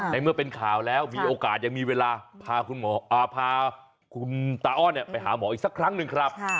ในเมื่อเป็นข่าวแล้วมีโอกาสยังมีเวลาพาคุณตาอ้อนไปหาหมออีกสักครั้งหนึ่งครับ